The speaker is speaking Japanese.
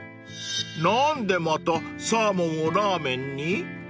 ［何でまたサーモンをラーメンに？］